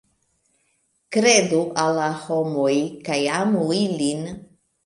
Kredu al la homoj kaj amu ilin.